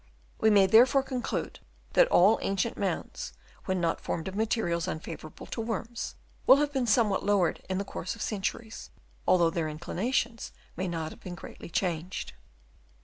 We may therefore conclude that all ancient mounds, when not formed of materials unfavourable to worms, will have been somewhat lowered in the course of centuries, although their inclina tions may not have been greatly changed.